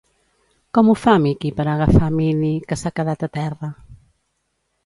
Com ho fa Mickey per agafar Minnie, que s'ha quedat a terra?